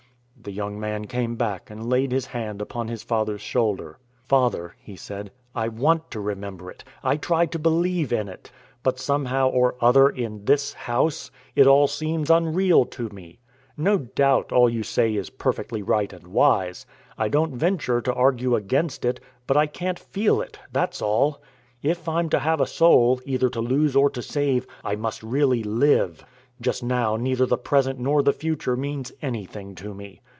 The young man came back and laid his hand upon his father's shoulder. "Father," he said, "I want to remember it. I try to believe in it. But somehow or other, in this house, it all seems unreal to me. No doubt all you say is perfectly right and wise. I don't venture to argue against it, but I can't feel it that's all. If I'm to have a soul, either to lose or to save, I must really live. Just now neither the present nor the future means anything to me.